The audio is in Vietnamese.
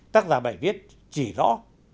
tác giả bài viết chỉ rõ